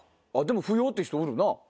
「不要」って人おるな。